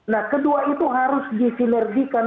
nah kedua itu harus disinergikan